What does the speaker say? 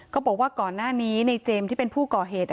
ก่อนหน้านี้ในเจมส์ที่เป็นผู้ก่อเหตุ